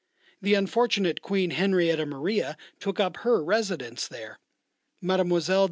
The unfortunate Queen Henrietta Maria took up her residence there. Mlle.